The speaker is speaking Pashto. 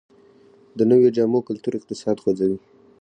د نویو جامو کلتور اقتصاد خوځوي